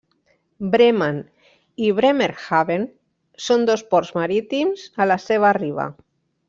Bremen i Bremerhaven són dos ports marítims a la seva riba.